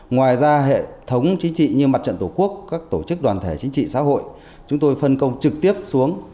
ngoài ra hệ thống chính trị như mặt trận tổ quốc các tổ chức đoàn thể chính trị xã hội chúng tôi phân công trực tiếp xuống